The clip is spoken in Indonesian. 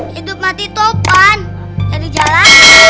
hidup mati topan jadi jalan